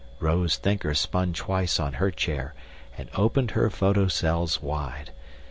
Rose Thinker spun twice on her chair and opened her photocells wide.